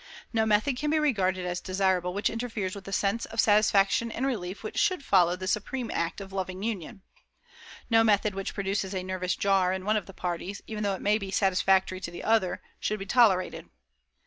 No method can be regarded as desirable which interferes with the sense of satisfaction and relief which should follow the supreme act of loving union. No method which produces a nervous jar in one of the parties, even though it may be satisfactory to the other, should be tolerated.